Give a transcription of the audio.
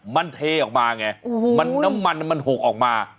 มันเทออกมาไงน้ำมันมันหกออกมา